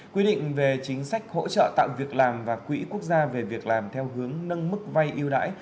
quy định về chính sách hỗ trợ tạo việc làm và quỹ quốc gia về việc làm theo hướng nâng mức vay yêu đãi